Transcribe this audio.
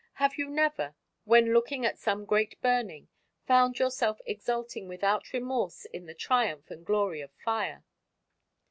Have you never, when looking at some great burning, found yourself exulting without remorse in the triumph and glory of fire?